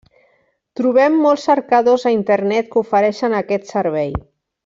Trobem molts cercadors a internet que ofereixen aquest servei.